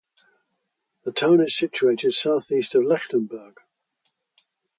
The town is situated south-east of Lichtenburg.